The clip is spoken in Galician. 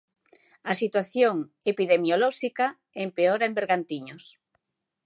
A situación epidemiolóxica empeora en Bergantiños.